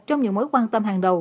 trong những mối quan tâm hàng đầu